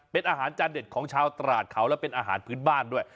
เป็นอาหารจานเด็ดของชาวตราดเขาและเป็นอาหารพื้นบ้านด้วย